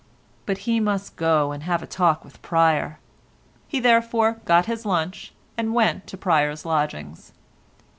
But he must go and have a talk with Pryer. He therefore got his lunch and went to Pryer's lodgings.